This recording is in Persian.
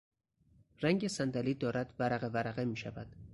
رنگ صندلی دارد ورقه ورقه میشود.